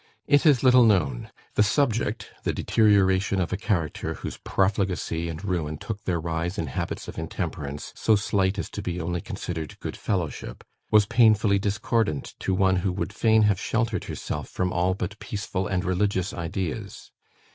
It is little known; the subject the deterioration of a character, whose profligacy and ruin took their rise in habits of intemperance, so slight as to be only considered "good fellowship" was painfully discordant to one who would fain have sheltered herself from all but peaceful and religious ideas.